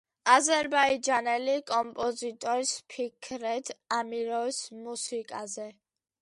აზერბაიჯანელი კომპოზიტორის ფიქრეთ ამიროვის მუსიკაზე.